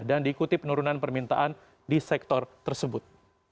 dan diikuti penurunan permintaan di sektor tersebut